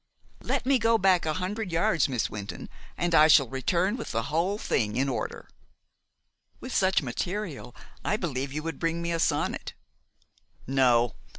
Let me go back a hundred yards, Miss Wynton, and I shall return with the whole thing in order." "With such material I believe you would bring me a sonnet." "No.